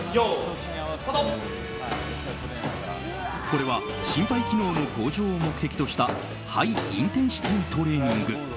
これは心肺機能の向上を目的としたハイインテンシティトレーニング。